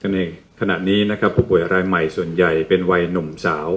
นั่นเองขณะนี้นะครับผู้ป่วยรายใหม่ส่วนใหญ่เป็นวัยหนุ่มสาว